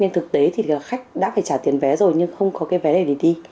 nên thực tế thì khách đã phải trả tiền vé rồi nhưng không có cái vé này để đi